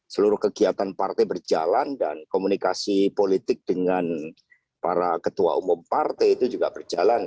seluruh kegiatan partai berjalan dan komunikasi politik dengan para ketua umum partai itu juga berjalan